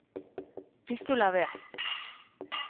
Piztu labea.